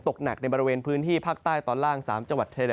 ตกหนักในบริเวณพื้นที่ภาคใต้ตอนล่าง๓จังหวัดไทย